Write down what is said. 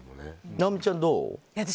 尚美ちゃん、どう？